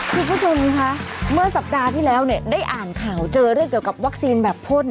คุณผู้ชมคะเมื่อสัปดาห์ที่แล้วเนี่ยได้อ่านข่าวเจอเรื่องเกี่ยวกับวัคซีนแบบพ่น